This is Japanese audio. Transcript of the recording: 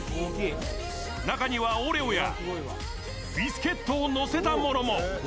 中には、オレオやビスケットをのせたものも。